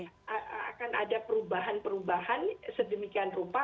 akan ada perubahan perubahan sedemikian rupa